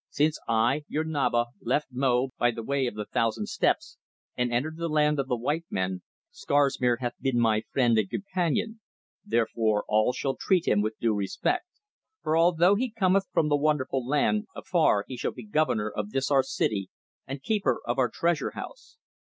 Since I, your Naba, left Mo by the Way of the Thousand Steps, and entered the land of the white men, Scarsmere hath been my friend and companion, therefore all shall treat him with due respect, for although he cometh from the wonderful land afar he shall be Governor of this our city and Keeper of our Treasure house.